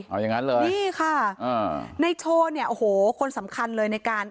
เอาอย่างนั้นเลยนี่ค่ะอ่าในโชว์เนี่ยโอ้โหคนสำคัญเลยในการ